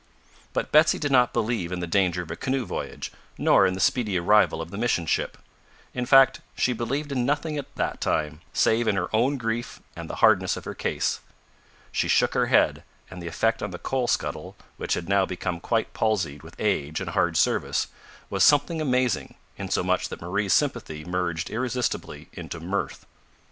But Betsy did not believe in the danger of a canoe voyage, nor in the speedy arrival of the mission ship. In fact she believed in nothing at that time, save in her own grief and the hardness of her case. She shook her head, and the effect on the coal scuttle, which had now become quite palsied with age and hard service, was something amazing, insomuch that Marie's sympathy merged irresistibly into mirth.